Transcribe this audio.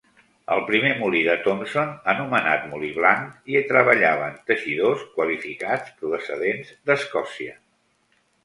Al primer molí de Thompson, anomenat "Molí blanc", hi treballaven teixidors qualificats procedents d'Escòcia.